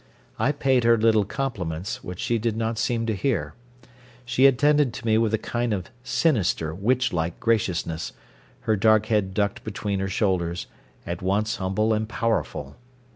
I paid her little compliments, which she did not seem to hear. She attended to me with a kind of sinister, witch like gracious ness, her dark head ducked between her shoulders, at once humble and powerful.